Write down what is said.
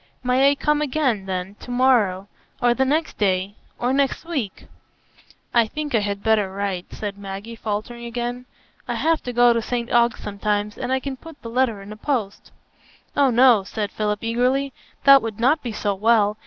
"May I come again, then, to morrow, or the next day, or next week?" "I think I had better write," said Maggie, faltering again. "I have to go to St Ogg's sometimes, and I can put the letter in the post." "Oh no," said Philip eagerly; "that would not be so well.